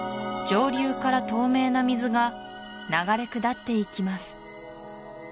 上流から透明な水が流れ下っていきます